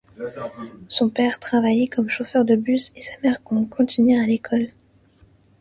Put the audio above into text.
Son père travaillait comme chauffeur de bus et sa mère comme cantinière à l'école.